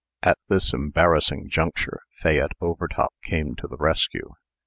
At this embarrassing juncture, Fayette Overtop came to the rescue.